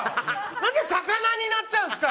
何で魚になっちゃうんすか！